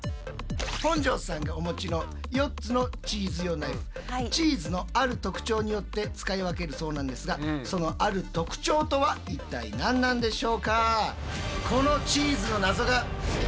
本上さんがお持ちの４つのチーズ用ナイフチーズのある特徴によって使い分けるそうなんですがそのある特徴とは一体何なんでしょうか？